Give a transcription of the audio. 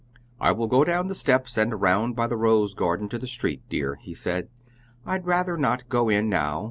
"I will go down the steps and around by the rose garden to the street, dear," he said. "I'd rather not go in now.